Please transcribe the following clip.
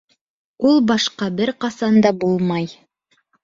Ул башҡа бер ҡасан да булмай.